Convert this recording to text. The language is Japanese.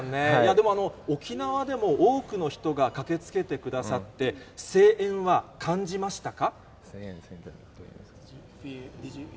でも、沖縄でも多くの人が駆けつけてくださって、声援は感じましたか？